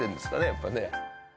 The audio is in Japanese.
やっぱね。